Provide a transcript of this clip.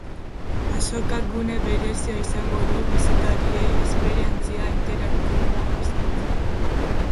Azokak gune berezia izango du bisitariei esperientzia interaktiboak eskaintzeko.